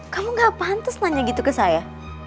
kamu gak pantas nanya gitu ke saya